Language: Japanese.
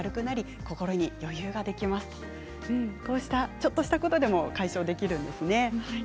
ちょっとしたことでも解消ができるんですね。